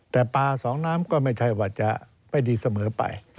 แต่ปลาสองน้ำก็ไม่ใช่ว่าจะไม่ดีเสมอไป